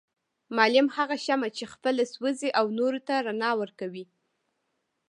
معلم هغه شمعه چي خپله سوزي او نورو ته رڼا ورکوي